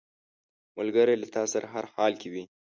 ملګری له تا سره هر حال کې وي